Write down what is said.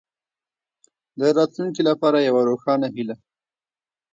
د راتلونکې لپاره یوه روښانه هیله.